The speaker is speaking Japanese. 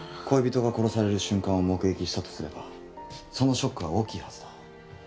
恋人が殺される瞬間を目撃したとすればそのショックは大きいはずだ。